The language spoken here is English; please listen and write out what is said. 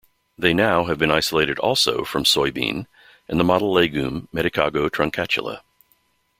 They now have been isolated also from soybean and the model legume "Medicago truncatula".